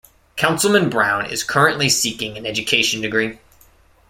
Councilman Brown is currently seeking an education degree.